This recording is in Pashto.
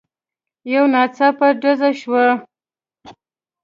يو ناڅاپه ډزې شوې.